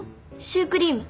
シュークリーム